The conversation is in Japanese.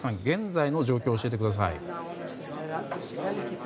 現在の状況を教えてください。